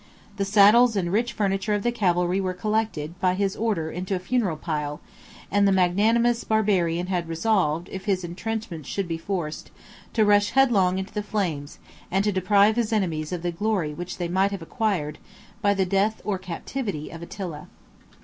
The saddles and rich furniture of the cavalry were collected, by his order, into a funeral pile; and the magnanimous Barbarian had resolved, if his intrenchments should be forced, to rush headlong into the flames, and to deprive his enemies of the glory which they might have acquired, by the death or captivity of Attila.